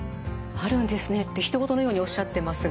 「あるんですね」ってひと事のようにおっしゃってますが。